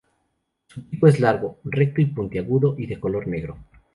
Su pico es largo, recto y puntiagudo y de color negro.